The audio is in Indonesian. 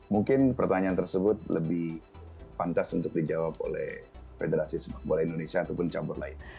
mungkin pertanyaan tersebut lebih pantas untuk dijawab oleh federasi sepak bola indonesia ataupun campur lain